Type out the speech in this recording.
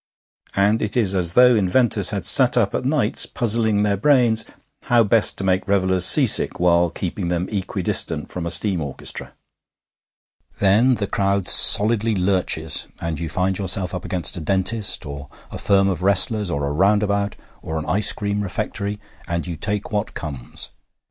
And it is as though inventors had sat up at nights puzzling their brains how best to make revellers seasick while keeping them equidistant from a steam orchestra.... Then the crowd solidly lurches, and you find yourself up against a dentist, or a firm of wrestlers, or a roundabout, or an ice cream refectory, and you take what comes.